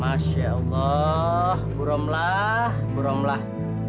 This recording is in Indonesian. masya allah berumlah berumlah